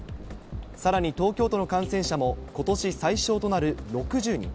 さらに東京都の感染者も今年最小となる６０人。